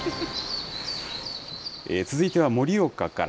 続いては盛岡から。